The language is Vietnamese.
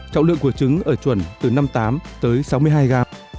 trọng lượng của trứng ở chuẩn từ năm mươi tám sáu mươi hai g